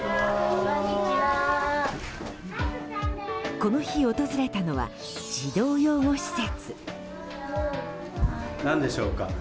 この日、訪れたのは児童養護施設。